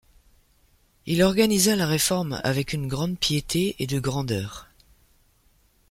Il organisa la réforme, avec une grande piété, et de grandeur.